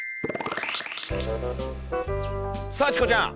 さあチコちゃん。